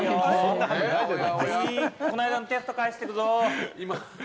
この間のテスト、返していくぞ！